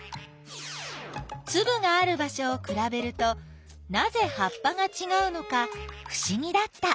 つぶがある場しょをくらべるとなぜ葉っぱがちがうのかふしぎだった。